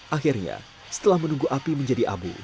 akhirnya setelah menunggu api menjadi abu